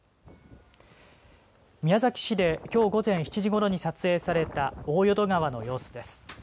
宮崎市できょう午前７時ごろに撮影された大淀川の様子です。